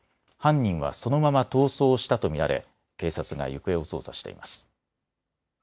犯人はそのまま逃走したと見られ警察が行方を捜査しています。